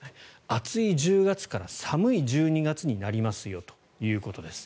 暑い１０月から寒い１２月になりますよということです。